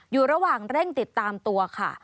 อยู่ระหว่างเร่งติดตามตัวค่ะ